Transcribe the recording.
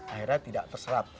akhirnya tidak terserat